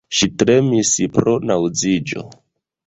Ŝi tremis pro naŭziĝo.